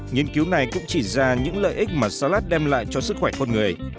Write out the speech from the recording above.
nhiên cứu này cũng chỉ ra những lợi ích mà salad đem lại cho sức khỏe con người